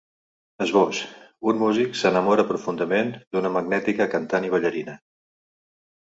Esbós: Un músic s’enamora perdudament d’una magnètica cantant i ballarina.